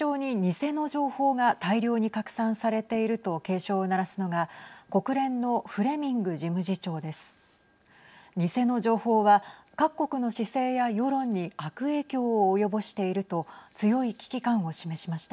偽の情報は各国の姿勢や世論に悪影響を及ぼしていると強い危機感を示しました。